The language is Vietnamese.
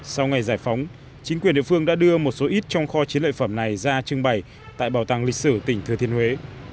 sau ngày giải phóng chính quyền địa phương đã đưa một số ít trong kho chiến lợi phẩm này ra trưng bày tại bảo tàng lịch sử tỉnh thừa thiên huế